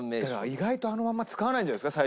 意外とあのまんま使わないんじゃないですか？